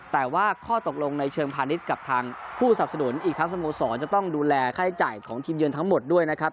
แต่ว่าข้อตกลงในเชิงพาณิชย์กับทางผู้สับสนุนอีกทั้งสโมสรจะต้องดูแลค่าใช้จ่ายของทีมเยือนทั้งหมดด้วยนะครับ